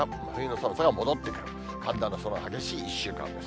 寒暖の差が激しい１週間です。